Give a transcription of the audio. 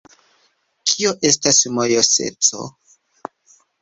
Kio estas mojoseco?